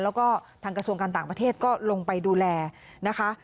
แล้วก็ทางกระทรวงการต่างประเทศก็ลงไปดูแลนะคะ